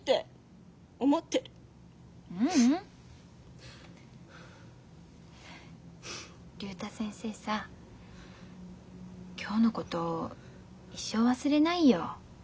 ううん竜太先生さ今日のこと一生忘れないよ。